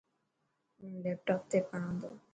هون ليپٽاپ تي پڙهان تو.